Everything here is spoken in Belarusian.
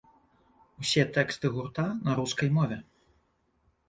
Усе тэксты гурта на рускай мове.